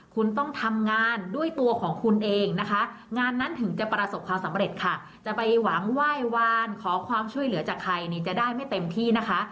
คุณต้องทำงานด้วยตัวของคุณเองนะคะงานนั้นถึงจะประสบความสำเร็จค่ะจะไปหวังไหว้วานขอความช่วยเหลือจากใครนี่จะได้ไม่เต็มที่นะคะ